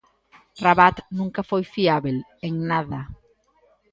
Rabat nunca foi fiábel, en nada.